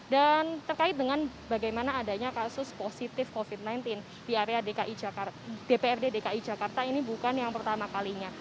dan terkait dengan bagaimana adanya kasus positif covid sembilan belas di area dki jakarta dprd dki jakarta ini bukan yang pertama kalinya